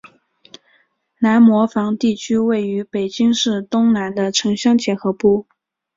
南磨房地区位于北京市东南的城乡结合部。